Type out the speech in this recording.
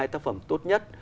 hai tác phẩm tốt nhất